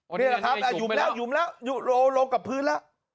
อันนี้ยังได้หยุมไปแล้วหยุมแล้วหยุมลงกับพื้นแล้ว